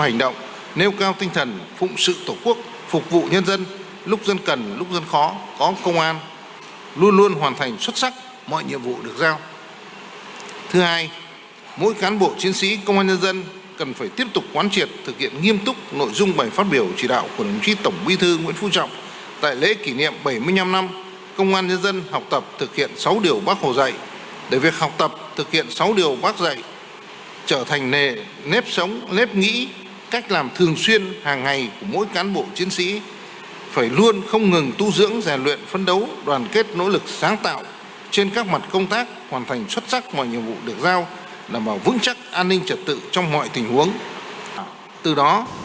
học tập thực hiện sáu điều bác dạy trở thành nề nếp sống nếp nghĩ cách làm thường xuyên hàng ngày của mỗi cán bộ chiến sĩ phải luôn không ngừng tu dưỡng giải luyện phấn đấu đoàn kết nỗ lực sáng tạo trên các mặt công tác hoàn thành xuất sắc mọi nhiệm vụ được giao làm vào vững chắc an ninh trật tự trong mọi tình huống